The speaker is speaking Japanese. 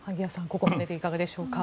ここまででいかがでしょう？